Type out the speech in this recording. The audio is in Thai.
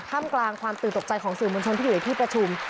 มกลางความตื่นตกใจของสื่อมวลชนที่อยู่ในที่ประชุม